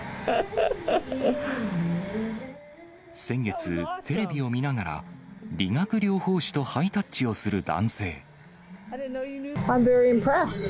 先月、テレビを見ながら、理学療法士とハイタッチをする男性。